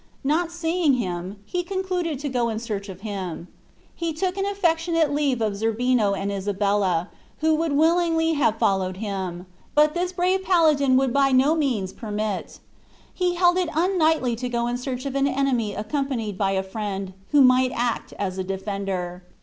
Not seeing him, he concluded to go in search of him. He took an affectionate leave of Zerbino and Isabella, who would willingly have followed him; but this the brave paladin would by no means permit. He held it unknightly to go in search of an enemy accompanied by a friend, who might act as a defender.